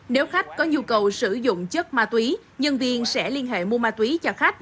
nếu khách có nhu cầu sử dụng chất ma túy nhân viên sẽ liên hệ mua ma túy cho khách